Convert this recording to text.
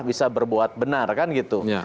bisa berbuat benar kan gitu